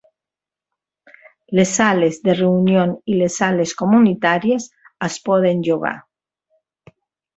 Les sales de reunions i les sales comunitàries es poden llogar.